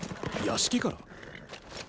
屋敷から？